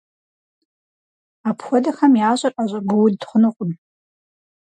Апхуэдэхэм ящӏэр ӏэщӏэбууд хъунукъым.